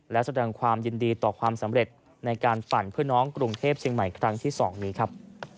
และแสดงความยินดีต่อความสำเร็จในการปั่นเพื่อน้องกรุงเทพเชียงใหม่ครั้งที่๒นี้ครับ